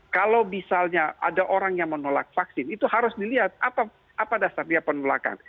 kalau misalnya ada orang yang menolak vaksin itu harus dilihat apa dasar dia penolakan